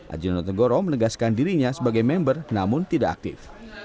aji notengoro menegaskan dirinya sebagai member namun tidak aktif